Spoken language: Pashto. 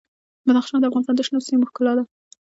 بدخشان د افغانستان د شنو سیمو ښکلا ده.